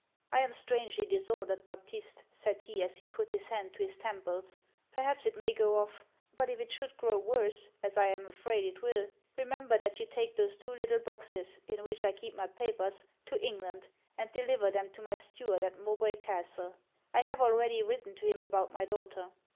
"I am strangely disordered, Baptiste," said he, as he put his hand to his temples "perhaps it may go off; but if it should grow worse, as I am afraid it will, remember that you take those two little boxes in which I keep my papers, to England, and deliver them to my steward at Mowbray Castle. I have already written to him about my daughter."